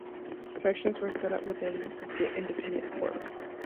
Sections were set up within independent corps.